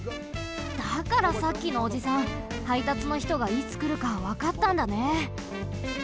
だからさっきのおじさんはいたつのひとがいつくるかわかったんだね。